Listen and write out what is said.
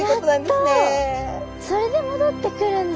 それで戻ってくるんだ。